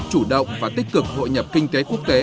chủ động và tích cực hội nhập kinh tế quốc tế